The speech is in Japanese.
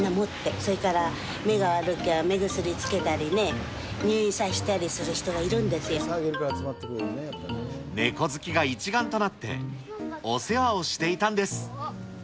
それから目が悪きゃ目薬つけたりね、入院させたりする人がいるんネコ好きが一丸となって、お世話をしていたんです。